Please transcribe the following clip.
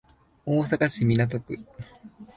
大阪市港区